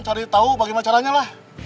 banget mana pikan jernyangan